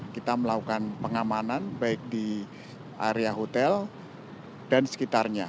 kita melakukan pengamanan baik di area hotel dan sekitarnya